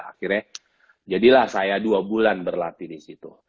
akhirnya jadilah saya dua bulan berlatih di situ